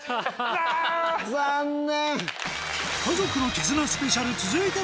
残念！